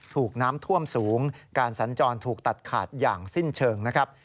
ถูกน้ำท่วมสูงการสัญจรถูกตัดขาดอย่างสิ้นเชิงนะครับ